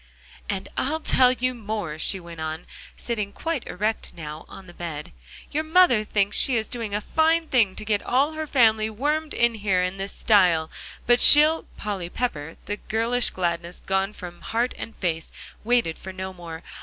"And I'll tell you more," she went on, sitting quite erect now on the bed, "your mother thinks she is doing a fine thing to get all her family wormed in here in this style, but she'll" Polly Pepper, the girlish gladness gone from heart and face, waited for no more.